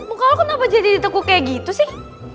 muka aku kenapa jadi ditekuk kayak gitu sih